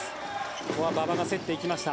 ここは馬場が競っていきました。